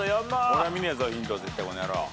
俺は見ねえぞヒントは絶対この野郎。